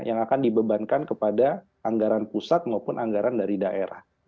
yang akan dibebankan kepada anggaran pusat maupun anggaran dari daerah